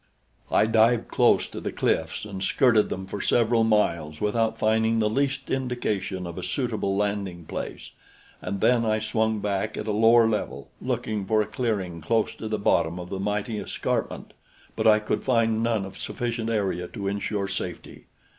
I dived close to the cliffs and skirted them for several miles without finding the least indication of a suitable landing place; and then I swung back at a lower level, looking for a clearing close to the bottom of the mighty escarpment; but I could find none of sufficient area to insure safety.